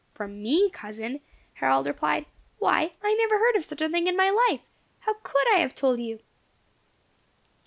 "From me, cousin!" Harold repeated. "Why, I never heard of such a thing in my life. How could I have told you?"